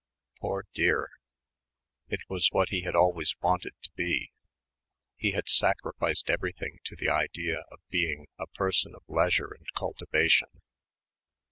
Poor dear. It was what he had always wanted to be. He had sacrificed everything to the idea of being a "person of leisure and cultivation."